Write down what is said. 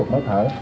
tám mươi máy thở